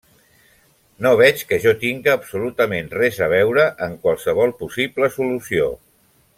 No veig que jo tinga absolutament res a veure en qualsevol possible solució.